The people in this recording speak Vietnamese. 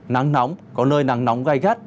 nắng nóng có nơi nắng nóng gai gắt